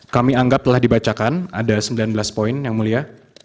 kami anggap telah dibacakan ada sembilan belas poin yang mulia